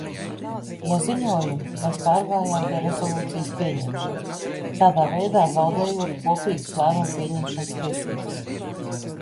No ziņojuma mēs pārgājām pie rezolūcijas pieņemšanas, tādā veidā zaudējot kopīgas lēmumu pieņemšanas tiesības.